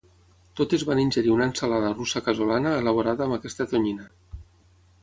Totes van ingerir una ensalada russa casolana elaborada amb aquesta tonyina.